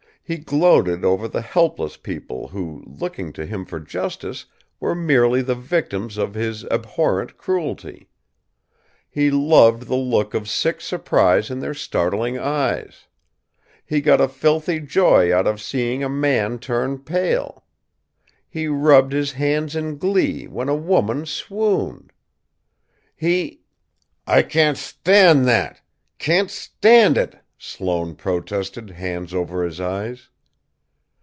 He gloated over the helpless people who, looking to him for justice, were merely the victims of his abhorrent cruelty. He loved the look of sick surprise in their starting eyes. He got a filthy joy out of seeing a man turn pale. He rubbed his hands in glee when a woman swooned. He " "I can't stand that can't stand it!" Sloane protested, hands over his eyes.